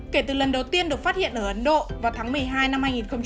kể từ lần đầu tiên được phát hiện ở ấn độ vào tháng một mươi hai năm hai nghìn một mươi tám